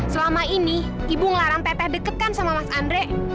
selama ini ibu ngelarang teteh deket kan sama mas andre